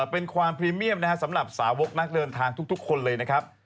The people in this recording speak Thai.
เป็นความพรีเมียมนะครับสำหรับสาวกนักเดินทางทุกคนเลยนะครับ